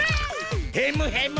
ヘムヘム！